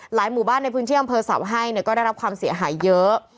หมู่บ้านในพื้นที่อำเภอเสาให้ก็ได้รับความเสียหายเยอะ